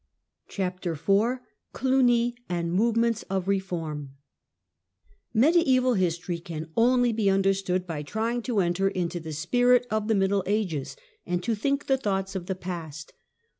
CHAPTEE IV CLUNY AND MOVEMENTS OF REFORM MEDIEVAL history can only be understood by trying to enter into the spirit of the Middle Ages, and to think the thoughts of the past.